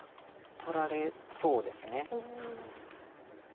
取られそうです。